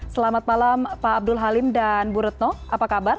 selamat malam pak abdul halim dan bu retno apa kabar